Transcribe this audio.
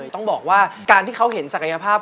ต้องบอกว่าการที่เขาเห็นศักยภาพ